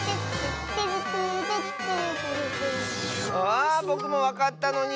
あぼくもわかったのに！